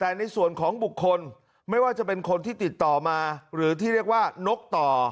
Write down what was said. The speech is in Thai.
แต่ในส่วนของบุคคลไม่ว่าจะเป็นคนที่ติดต่อมาหรือที่เรียกว่านกต่อ